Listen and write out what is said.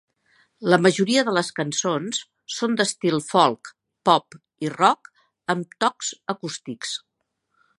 La majoria de les cançons són d'estil folk pop i rock amb tocs acústics.